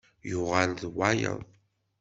Yuɣal d wayeḍ.